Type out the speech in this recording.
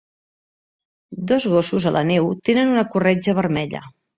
Dos gossos a la neu tenen una corretja vermella